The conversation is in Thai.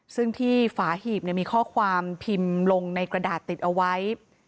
ซึ่งที่ฝาหีบมีข้อความพิมพ์ลงในกระดาษติดเอาไว้